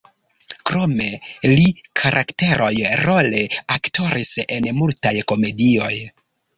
Krome li karakteroj-role aktoris en multaj komedioj.